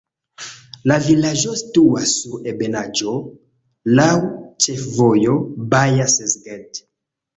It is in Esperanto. La vilaĝo situas sur ebenaĵo, laŭ ĉefvojo Baja-Szeged.